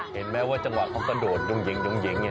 เห็นไหมว่าจังหวังเค้ากระโดดยงเหงนี่